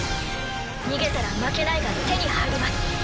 逃げたら「負けない」が手に入ります。